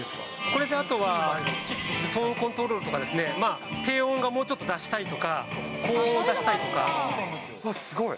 これであとはトーンコントロールとかですね、低音がもうちょっと出したいとか、高音を出したすごい。